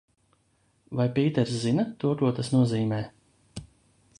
Vai Pīters zina to, ko tas nozīmē?